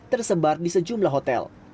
tersebar di sejumlah hotel